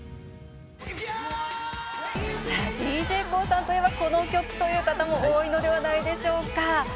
ＤＪＫＯＯさんといえばこの曲という方も多いのではないでしょうか。